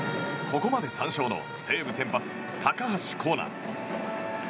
ここまで３勝の西武先発、高橋光成。